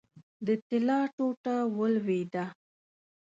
د طلا ټوټه ولوېده.